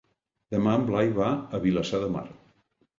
Demà en Blai va a Vilassar de Mar.